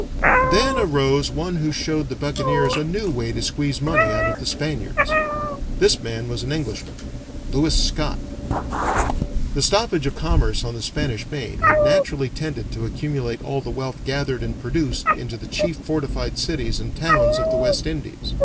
Then arose one who showed the buccaneers a new way to squeeze money out of the Spaniards. This man was an Englishman Lewis Scot. The stoppage of commerce on the Spanish Main had naturally tended to accumulate all the wealth gathered and produced into the chief fortified cities and towns of the West Indies.